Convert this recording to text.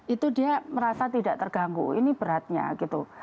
itu dia merasa tidak terganggu ini beratnya gitu